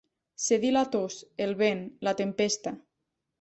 Cedir la tos, el vent, la tempesta.